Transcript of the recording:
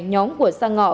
nhóm của sang ngọ